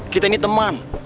kita ini teman